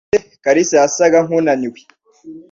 Mugihe bagarutse, Kalisa yasaga nkunaniwe.